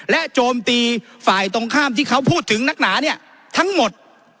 โจมตีฝ่ายตรงข้ามที่เขาพูดถึงนักหนาเนี่ยทั้งหมด